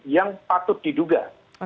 yang patut diduga